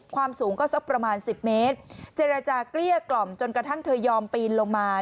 ความสูงก็สักประมาณ๑๐เมตรเจรจาเกลี้ยกล่อมจนกระทั่งเธอยอมปีนลงมา